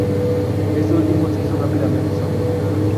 Este último se hizo rápidamente su amigo.